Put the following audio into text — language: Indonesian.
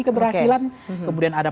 keberhasilan kemudian ada